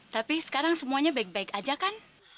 tapi sekarang semuanya baik baik aja kan